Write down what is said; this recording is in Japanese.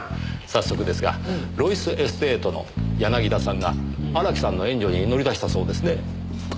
早速ですがロイスエステートの柳田さんが荒木さんの援助に乗り出したそうですねぇ。